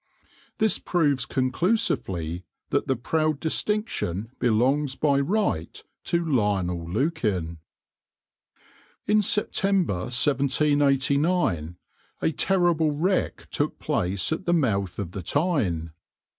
This proves conclusively that the proud distinction belongs by right to Lionel Lukin.\par In September 1789 a terrible wreck took place at the mouth of the Tyne.